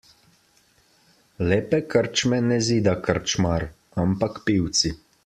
Lepe krčme ne zida krčmar, ampak pivci.